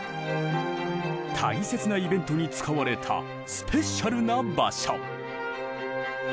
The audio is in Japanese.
大切なイベントに使われたスペシャルな場所。